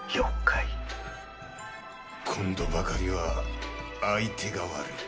今度ばかりは相手が悪い。